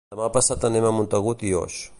Demà passat anem a Montagut i Oix.